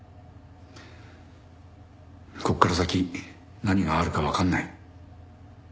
ここから先何があるかわかんない。